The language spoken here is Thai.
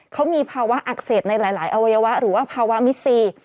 เขามีภาวะอักเสบในหลายอวัยวะหรือว่าภาวะมิดซี